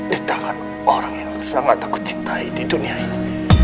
di tangan orang yang sangat aku cintai di dunia ini